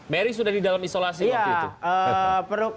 mary sudah di dalam isolasi waktu itu